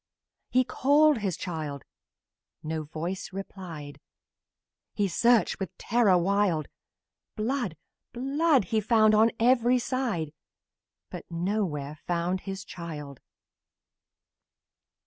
He called the child no voice replied; He searched, with terror wild; Blood! Blood! He found on every side, But nowhere found the child!